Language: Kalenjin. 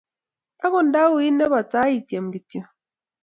Agot ndawiit nebo tai, ityem kityo